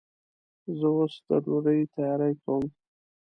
زه اوس د ډوډۍ تیاری کوم.